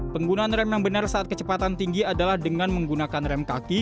penggunaan rem yang benar saat kecepatan tinggi adalah dengan menggunakan rem kaki